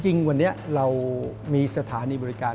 จริงวันนี้เรามีสถานีบริการ